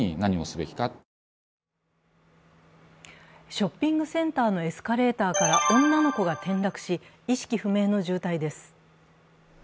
ショッピングセンターのエスカレーターから女の子が転落し意識不明の重体です。